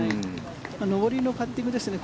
上りのパッティングですね。